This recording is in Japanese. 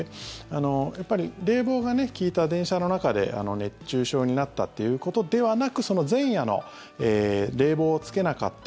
やっぱり冷房が利いた電車の中で熱中症になったということではなくその前夜の冷房をつけなかった。